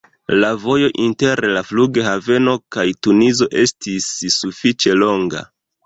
La vojo inter la flughaveno kaj Tunizo estis sufiĉe longa.